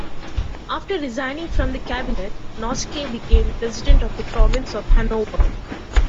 After resigning from the cabinet, Noske became president of the province of Hannover.